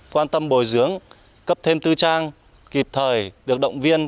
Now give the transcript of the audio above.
quan tâm bồi dưỡng cấp thêm tư trang kịp thời được động viên